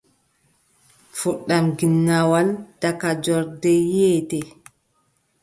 Fuɗɗam ginnawol, daga joorde yiʼété.